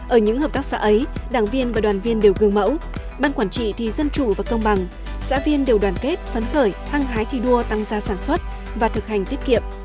ở những hợp tác xã ấy đảng viên và đoàn viên đều gương mẫu ban quản trị thì dân chủ và công bằng xã viên đều đoàn kết phấn khởi hăng hái thi đua tăng ra sản xuất và thực hành tiết kiệm